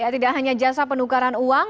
tidak hanya jasa penukaran uang